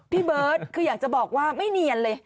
เบิร์ตคืออยากจะบอกว่าไม่เนียนเลย